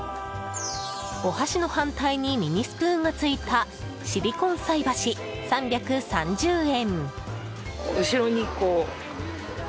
お箸の反対にミニスプーンがついたシリコン菜箸、３３０円。